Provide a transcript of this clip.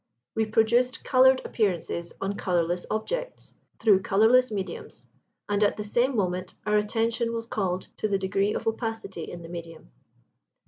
We produced coloured appearances on colourless objects, through colourless mediums, and at the same moment our attention was called to the degree of opacity in the medium.